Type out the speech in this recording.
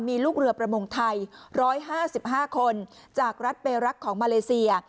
มีลูกเรือประมงไทยร้อยห้าสิบห้าคนจากรัฐเปรรักษณ์ของมาเลเซีย